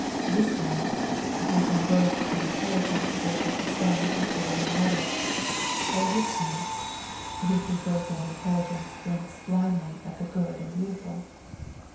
This one, who from birth and inheritance is able to stand the equal of any one, or this one, who through birth and inheritance blinks blindly at the good and beautiful?